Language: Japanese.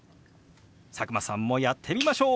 佐久間さんもやってみましょう！